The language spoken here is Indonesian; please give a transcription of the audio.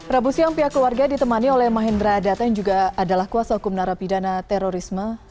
rabu siang pihak keluarga ditemani oleh mahendra data yang juga adalah kuasa hukum narapidana terorisme